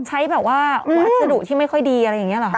ใช้แบบว่าวัสดุที่ไม่ค่อยดีอะไรอย่างนี้หรอคะ